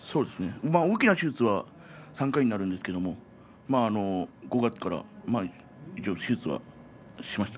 大きな手術は３回ですけれど５月から手術はしました。